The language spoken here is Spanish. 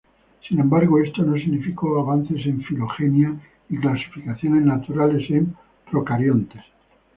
Sin embargo esto no significó avances en filogenia y clasificaciones naturales en procariontes.